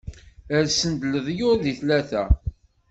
Rsen-d leḍyur di tlata.